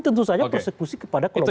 tentu saja persekusi kepada kelompok